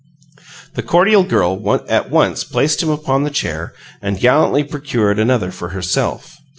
The cordial girl at once placed him upon the chair and gallantly procured another for herself.